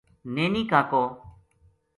نی نی کاکو